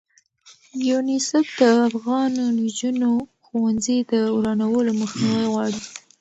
یونیسف د افغانو نجونو ښوونځي د ورانولو مخنیوی غواړي.